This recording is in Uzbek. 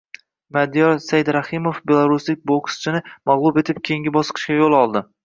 Madiyor Saidrahimov belaruslik bokschini mag‘lub etib, keyingi bosqichga yo‘l oldi